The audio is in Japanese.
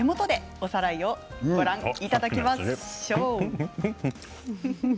おさらいをご覧いただきましょう。